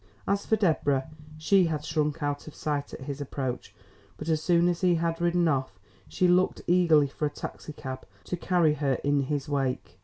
As for Deborah, she had shrunk out of sight at his approach, but as soon as he had ridden off, she looked eagerly for a taxicab to carry her in his wake.